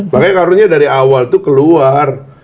makanya karunnya dari awal tuh keluar